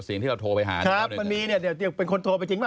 สิ่งที่เราโทรไปหานะครับมันมีเนี่ยเดี๋ยวเป็นคนโทรไปจริงป